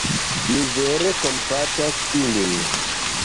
Mi vere kompatas ilin.